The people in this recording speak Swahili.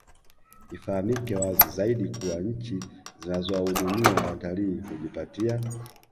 Ifahamike wazi zaidi kuwa nchi zinazowahudumia watalii hujipatia